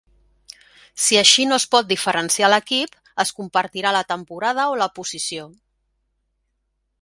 Si així no es pot diferenciar l'equip, es compartirà la temporada o la posició.